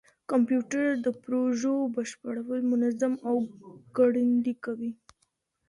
کمپيوټر د پروژو بشپړول منظم او ګړندي کوي.